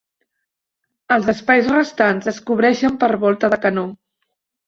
Els espais restants es cobreixen per volta de canó.